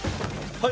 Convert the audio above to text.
はい！